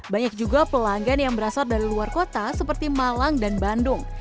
banyak juga pelanggan yang berasal dari luar kota seperti malang dan bandung